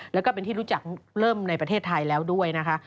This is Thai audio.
แล้วก็เป็นที่รู้จักเริ่มในประเทศไทยแล้วด้วยนะคะ